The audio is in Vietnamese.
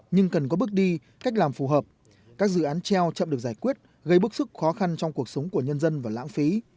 nhưng cần có bước đi cách làm phù hợp